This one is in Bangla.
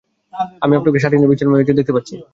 আমি আপনাকে সাটিনের বিছানায় শুয়ে থাকতে দেখতে পাচ্ছি।